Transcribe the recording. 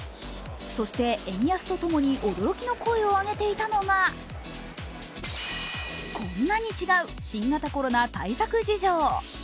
そして円安とともに驚きの声を上げていたのは、こんなに違う新型コロナ対策事情。